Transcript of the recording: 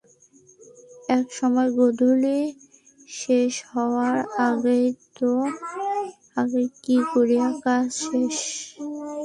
একসময় গোধূলি শেষ হওয়ার আগেই, কী করিয়া কাজ শেষ হয়।